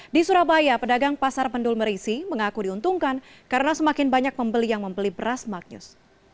di surabaya pedagang pasar pendul merisi mengaku diuntungkan karena semakin banyak pembeli yang membeli beras maknyus